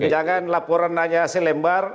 jangan laporan hanya selembar